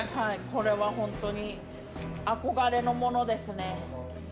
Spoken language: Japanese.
これは、ほんとに憧れのものですね。